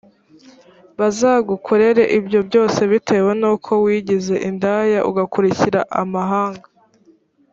bazagukorera ibyo byose bitewe n uko wigize indaya ugakurikira amahanga